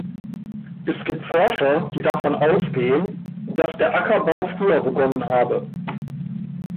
Es gibt Forscher, die davon ausgehen, dass der Ackerbau früher begonnen habe.